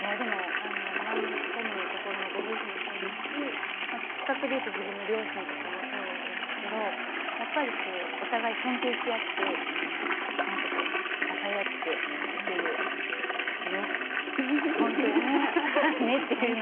マミー・ポムのところのご夫婦もそうですし近くで言うと自分の両親とかもそうでしたけどやっぱりお互い尊敬し合って支え合ってというね、本当に。